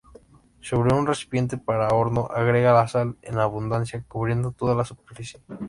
Sobre un recipiente para horno agrega la sal en abundancia, cubriendo toda la superficie.